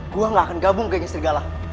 gue gak akan gabung kayaknya serigala